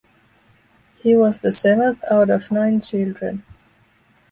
He was the seventh out of nine children.